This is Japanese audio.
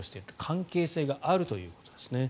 関係性があるということですね。